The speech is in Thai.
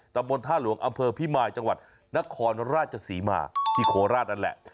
ตำบลท่าหลวงอำเภอพิมายจังหวัดนครราชศรีมาที่โคราชนั่นแหละ